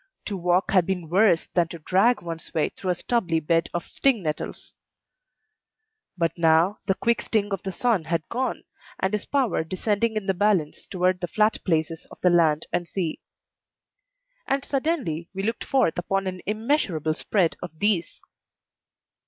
To walk had been worse than to drag one's way through a stubbly bed of sting nettles. But now the quick sting of the sun was gone, and his power descending in the balance toward the flat places of the land and sea. And suddenly we looked forth upon an immeasurable spread of these.